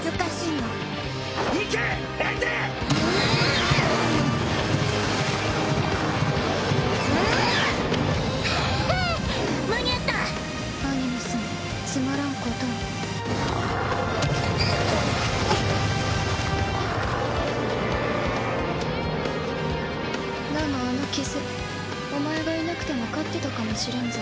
だがあの傷お前がいなくても勝ってたかもしれんぞ。